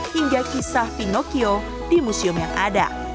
hingga kisah pinocchio di museum yang ada